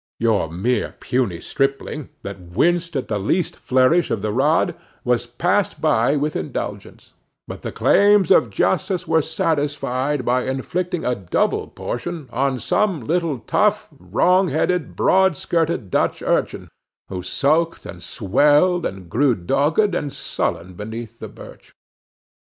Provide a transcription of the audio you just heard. Your mere puny stripling, that winced at the least flourish of the rod, was passed by with indulgence; but the claims of justice were satisfied by inflicting a double portion on some little tough wrong headed, broad skirted Dutch urchin, who sulked and swelled and grew dogged and sullen beneath the birch.